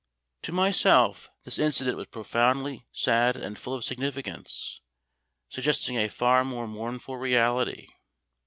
To myself this incident was profoundly sad and full of significance, suggesting a far more mournful reality.